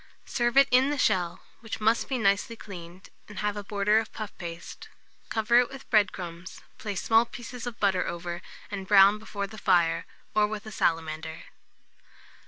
Serve it in the shell, which must be nicely cleaned, and have a border of puff paste; cover it with bread crumbs, place small pieces of butter over, and brown before the fire, or with a salamander.